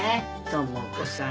智子さん